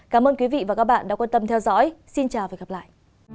cảm ơn quý vị và các bạn đã quan tâm theo dõi xin chào và hẹn gặp lại